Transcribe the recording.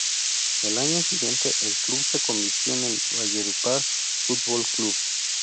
El año siguiente el club se convirtió en el Valledupar Fútbol Club.